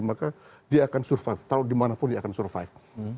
maka dia akan survive